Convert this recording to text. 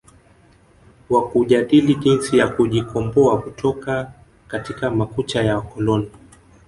wa kujadili jinsi ya kujikomboa kutoka katika makucha ya wakoloni